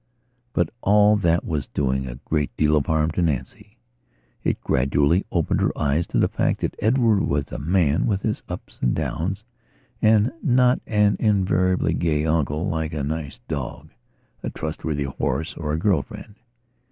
But all that was doing a great deal of harm to Nancy. It gradually opened her eyes to the fact that Edward was a man with his ups and downs and not an invariably gay uncle like a nice dog, a trustworthy horse or a girl friend.